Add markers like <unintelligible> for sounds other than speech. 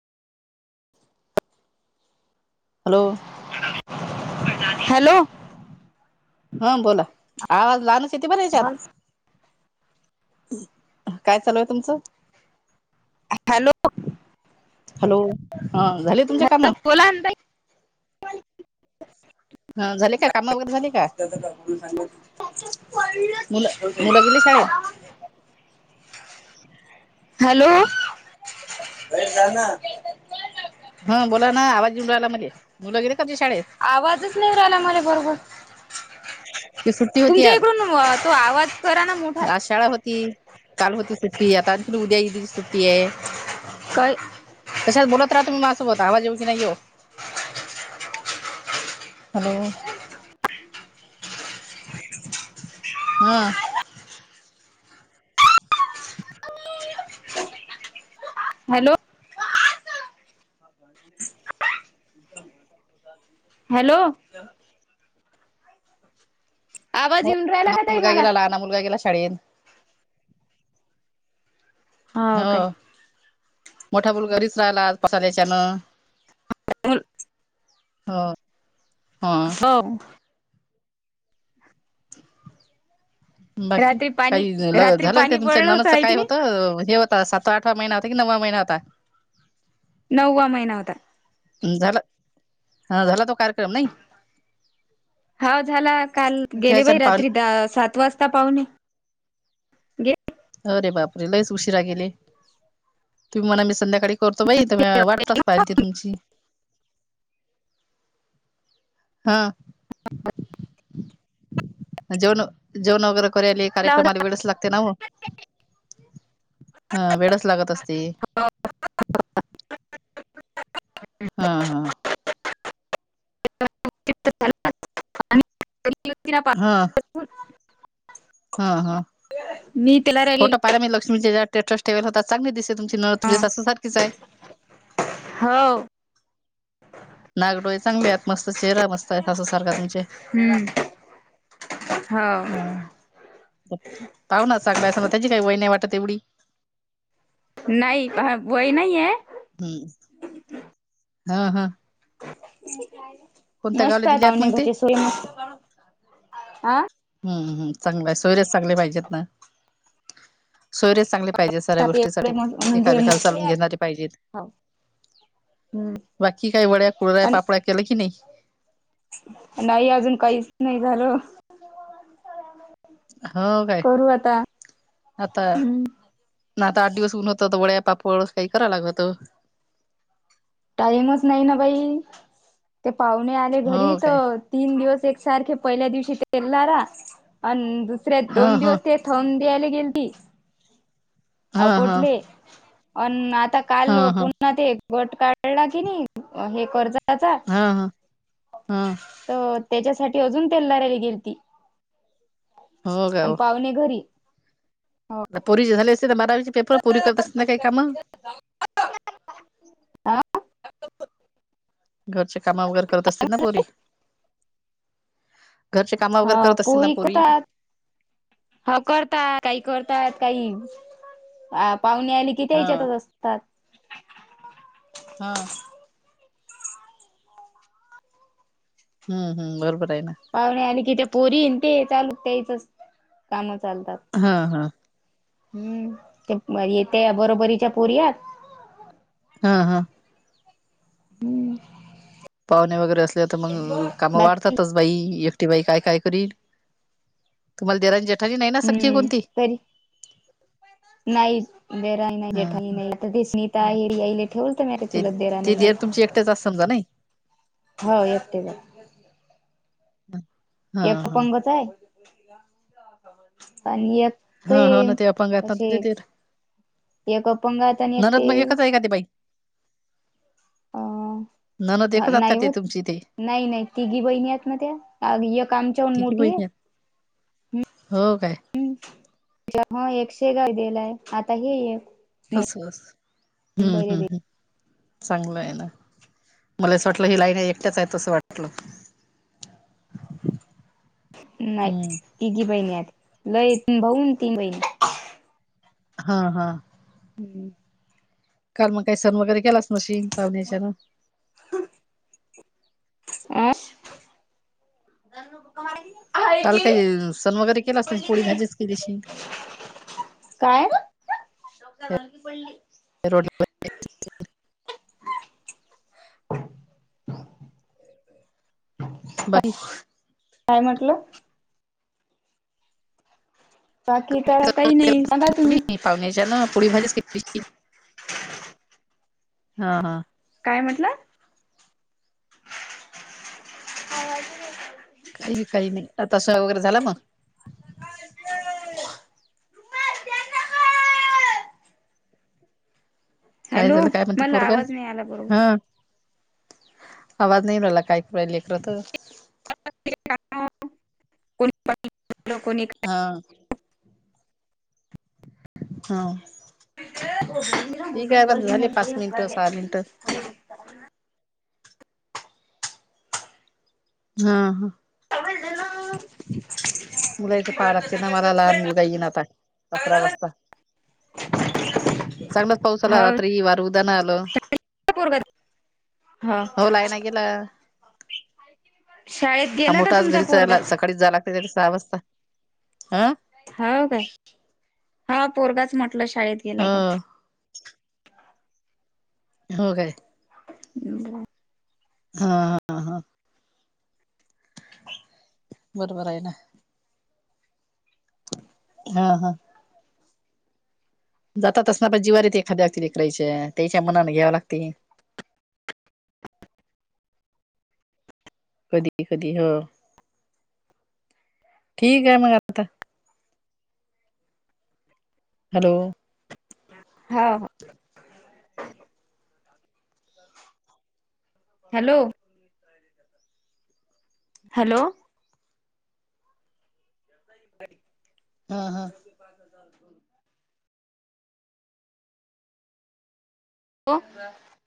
Hello hello हा बोला आवाज लहान च येत बरं ह्याच्यात. काय चालू आहे तुमचं? हॅलो हॅलो हा झाले तुमच्या काम बोला ना ताई. <inaudible> ह झाले का काम वगैरे झाले का सांग <unintelligible> मुलं मुल गेले शाळेत हॅलो बाहेर जाना हं बोला ना आवाज येऊन राहिल मले मुलं गेले का तुझी शाळेत आवाजच नाही येऊ राहिला मले बरोबर की सुट्टी होती तुमच्या आज इकडून अ, तो आवाज करा ना मोठा आज शाळा होती. काल होती सुट्टी आता आनखी उद्या ईदीची सुट्टी आहे. काय? तशत बोलत राहा तुम्ही माझसोबत आवाज येऊ का नाही येऊ हॅलो हा हॅलो- हॅलो आवाज येऊ राह लहाना मुलगा गेला लहान मुलगा गेला शाळेेत. हो मोठा मुलगा घरीरीच राहिला आज पसाल्या्याच्यानं <inaudible> हो हा हो बाकी रात्री पाणी काही झालं का रात्री काय पाणी होतं पडलं नणंद च आहे की काय नाही होतं हे होतं सात त आठवा महिना होता की नववा महिना होता नव्वा महिना होता. झाला ह झाला तो कार्यक्रम नाही. हा झाला काल गेले बाई त्याच्यान पाहून रात्री द सात वाजता पाहुणे अरे बाप रे लईच उशिरा गेले तुम्ही मणा मी संध्याकाळी करतो बाई तर म वाटपास पाहिलीती तुमची हा जेवण, जेवण वगैरे करायले गेला होता कार्यक्रमाला वेळच लागते ना हो ह वेळच लागत असते. <unintelligible> हा हा <unintelligible> <unintelligible> हा <unintelligible> हा हा मी त्याला राहिलेली फोटो पहिला मी लक्ष्मीचे स्टेटस ठेवेल होता चांगली दिसत आहे तुमची नणंद तुमच्या सासूसारखीच आहे. होव नाग डोळे चांगले आहेत मस्त चेहरा मस्त आहेत अस सारखा तुमचे हम् हाव पाहुना चांगलंय असं त्याची काही वय नाही वाटत एवढी नाही वय नाही आहे. <unintelligible> हा हा कोणत्या गावला मस्त दिली आहेत आता आहात मग ते त सोई मस्त हा हम्मम चांगलं सोयर्यास चांगले पाहिजेत ना सोयर्यास चांगले पाहिजे सऱ्या त्यात एवढे गोष्टीसाठी म्हणजे एखादेखला मोकळे चालून आहेत घेणारी पाहिजेत हो हम्म बाकी काही वड्या कुडऱ्या पण पापड केला की नाही नाही अजून काहीच नाही झालं हो काय करू आता आता ना आता आठ दिवस ऊन होत तर वळ्या पापड काही करा लाग होत. टाईमच नाही ना बाई ते पाहुणे आले हो घरी काय तर तीन दिवस एकसारखे पहिल्या दिवशी तेलणारा आणि दुसऱ्या हा दोन हा दिवस ते थंब दयला गेल ती अ हा हा कोठली आता हा काल हा पु ना ते एक गट काढला की नाही हे कर्जचा हा हा हा तर त्याच्यासाठी अजून तेल धरायला गेल ती हो काय आणि हो पाहुणे घरी हा पोरीचे झाले असते तर बारावीचे पेपर पोरी करत असत ना काही काम आं घरचे काम वगैरे करत असतील ना पोरी घरचे काम वगैरे हा करत असतील ना पुरी हो करता काही करतात काही अ पाहुणे आले कि त्या हा त्यांच्यातच असतात हा हम्म हम् बरोबर आहे ना पाहुणे आले की ते पोरीन ते चालू त्याच कामं चालतात हा हा हम्म ते येते बरोबरीच्या पोरीयात हा हा हम्म पाहुणे वगैरे असले तर मग काम बाकी वाढतातच बाई एकटी बाई काय काय करील तुम्हाला देरा खली नाही ना सख्खी हम्म होती. तरी नाही देराही नाही जेठाही नाही आता ते स्नीता हा. हरीई ठेवल तर मे चुलत देरा नाही. तिथ असल का नाय- हो एकट ब हा हा एकपंगत हाय आणि एक ते हा हो ना अपंग आहेत ना असे तुमचे देर एक अपंगात आणि एक ते ती काय बाई अ ननद ह एकच आहेत का नाही ते होत तुमची ते नाही नाही तिघी बहिणी आहेत ना त्या ऐक आमच्याहून तिघी मोठी आहे बहिणी आहेत हो काय एकशे गाय दिलाय आता हे एक अस अस हम्म मुंबईला हम्म दे हम् चांगलं आहे ना मला असं वाटलं ही लाईन एकट्याच आहेत असं वाटलं नाही हम्म तिघी बहिणी आहेत. लय भाऊून तीन बहिणी हा हा हम्म काल मग काही सण वगैरे केलाच नशिन, पावण्याच्यान. अ आहे काल की काय सण वगैरे केलास नाही. पोळी भाजीच केली अशिल. काय <unintelligible> पडली रोड <unintelligible> बाकी काय म्हटल? बाकी तर काही नाही. सांगा तुम्ही. त्यांना पुडी भाजीच केली. हा हा काय म्हटल. <unintelligible> काही नाही, काही नाही. आता सण वगैरे झाला मग. काय हॅलो झाल काय म्हणते मला पोरग. आवाज नाही आला बरोबर हा आवाज नाही येऊ राहिल काय करू रायले लेकर तर. कोणी <unintelligible> कोणी हा हा ठीक आहे मग झाले पाच मिनिटं सहा मिनिटं <unintelligible> हा ह <unintelligible> मुलाच पाहा लागते ना. मला लहान मुलगा येईन आता अकरा वाजता. चांगलाच पाऊस आला हो रात्री, वार उदान आल. <unintelligible> हा होला आहे ना गेल शाळेत हा गेला का मोठा आज तुमचा घरीच पोरगा राहीला. सकाळीच जाय लागते त्याला सहा वाजता‌. ह हो काय, हा पोरगाच म्हटला शाळेत गेला काय. हो हो काय हम्म ह बरबर आहे ना. ह ह जातात अस ना प जिवारी ते एखाद्या लेकरायच्या. त्याच्या मनाने घ्याव लागते. कधी कधी, हो ठीक आहे मग आता. हॅलो हा हा हॅलो हॅलो <unintelligible> ह ह <inaudible> ओ